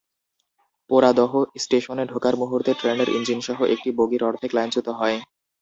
পোড়াদহ স্টেশনে ঢোকার মুহূর্তে ট্রেনের ইঞ্জিনসহ একটি বগি অর্ধেক লাইনচ্যুত হয়।